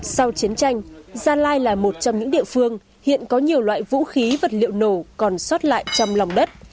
sau chiến tranh gia lai là một trong những địa phương hiện có nhiều loại vũ khí vật liệu nổ còn sót lại trong lòng đất